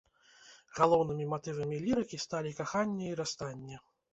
Галоўнымі матывамі лірыкі сталі каханне і расстанне.